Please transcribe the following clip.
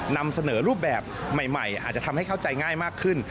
นำเสนอรูปแบบใหม่อาจจะทำให้เข้าใจง่ายมากขึ้น